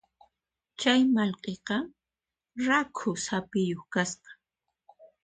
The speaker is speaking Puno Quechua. Chay mallkiqa rakhu saphiyuq kasqa.